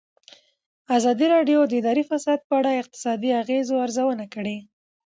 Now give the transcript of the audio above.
ازادي راډیو د اداري فساد په اړه د اقتصادي اغېزو ارزونه کړې.